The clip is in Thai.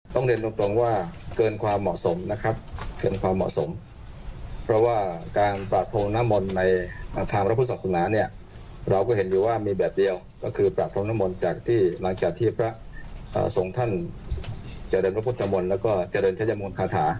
เรียนตรงว่าเกินความเหมาะสมนะครับเกินความเหมาะสมเพราะว่าการปราบพรมน้ำมนต์ในทางพระพุทธศาสนาเนี่ยเราก็เห็นอยู่ว่ามีแบบเดียวก็คือปราบพรมน้ำมนต์จากที่หลังจากที่พระทรงท่านเจริญพระพุทธมนต์แล้วก็เจริญชัยมนต์คาถา